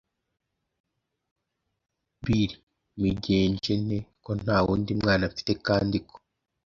bIi migenje nte! Ko nta wundi mwana mfite kandi ko